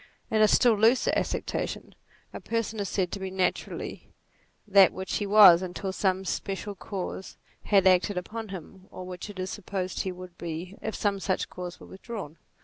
In a still looser acceptation, a person is said to be naturally, that which he was until some special cause had acted upon him, or which it is supposed he would be if some such cause were withdrawn.